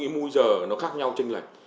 mũi giờ nó khác nhau tranh lệch